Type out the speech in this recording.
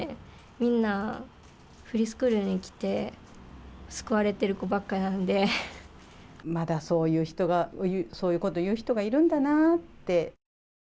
みんな、フリースクールに来て、まだそういう人が、そういうこと言う人がいるんだなって。